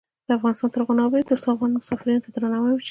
افغانستان تر هغو نه ابادیږي، ترڅو افغان مسافرینو ته درناوی ونشي.